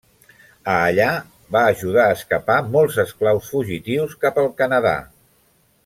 A allà va ajudar a escapar molts esclaus fugitius cap al Canadà.